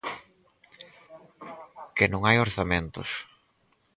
Que non hai orzamentos.